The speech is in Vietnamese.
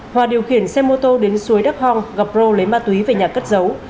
hòa điều khiển xe mô tô đến suối đắk hòng gặp rô lấy ma túy về nhà cất giấu